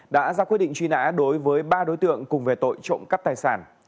đã ra quyết định truy nã đối với ba đối tượng cùng về tội trộm cắp tài sản